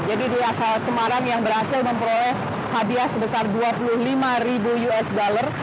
jadi di asal semarang yang berhasil memperoleh hadiah sebesar dua puluh lima ribu us dollar